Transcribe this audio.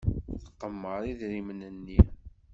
Tqemmer idrimen-nni.